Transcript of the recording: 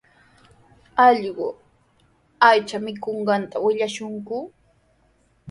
Allqu aycha mikunqanta willashunku.